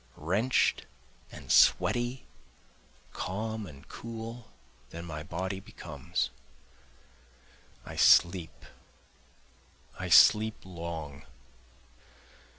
Wrench'd and sweaty calm and cool then my body becomes, I sleep I sleep long.